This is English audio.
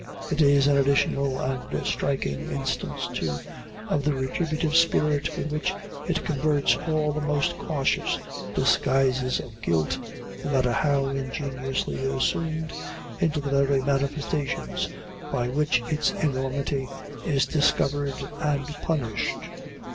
It is an additional and striking instance too, of the retributive spirit with which it converts all the most cautious disguises of guilt, no matter how ingeniously assumed, into the very manifestations by which its enormity is discovered and punished."